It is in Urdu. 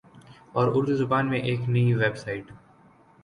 اور اردو زبان میں ایک نئی ویب سائٹ